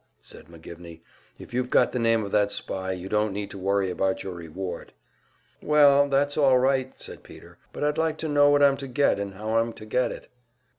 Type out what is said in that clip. said McGivney. "If you've got the name of that spy, you don't need to worry about your reward." "Well, that's all right," said Peter, "but I'd like to know what I'm to get and how I'm to get it."